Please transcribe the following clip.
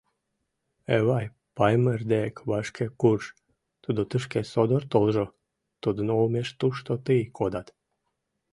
Эвай, Паймыр дек вашке курж, тудо тышке содор толжо, тудын олмеш тушто тый кодат.